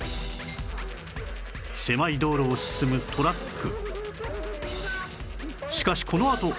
狭い道路を進むトラック